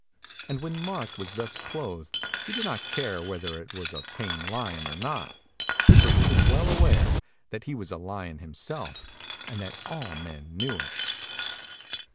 And when Mark was thus clothed he did not care whether it was a tame lion or not, for he was well aware that he was a lion himself and that all men knew it.